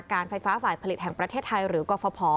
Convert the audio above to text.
การไฟฟ้าฝ่ายผลิตแห่งประเทศไทยหรือกรฟภ